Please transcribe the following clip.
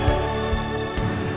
kok kali ini lumayan maarah